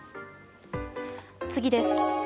次です。